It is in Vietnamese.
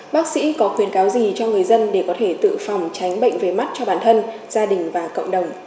bác sĩ có khuyến cáo gì cho người dân để có thể tự phòng tránh bệnh về mắt cho bản thân gia đình và cộng đồng